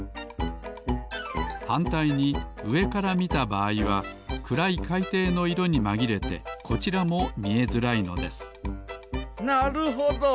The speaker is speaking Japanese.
はんたいにうえからみたばあいはくらいかいていの色にまぎれてこちらもみえづらいのですなるほど！